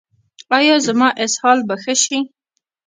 ایا زما اسهال به ښه شي؟